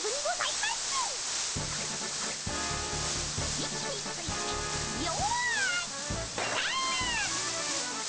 位置についてよいどん！